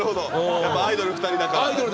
やっぱアイドル２人だから。